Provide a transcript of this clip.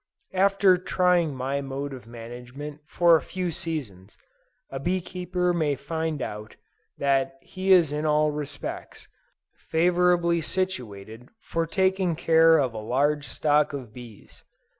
After trying my mode of management for a few seasons, a bee keeper may find out, that he is in all respects, favorably situated for taking care of a large stock of bees.